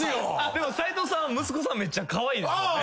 でも斉藤さん息子さんめっちゃカワイイですもんね。